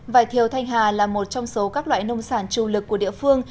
vải thiều thanh hà là một trong số các loại nông sản chủ lực của địa phương